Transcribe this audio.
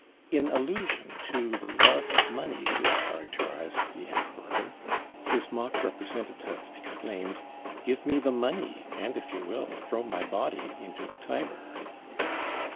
In allusion to the love of money which characterised the emperor, his mock representative exclaimed, "Give me the money, and, if you will, throw my body into the Tiber!"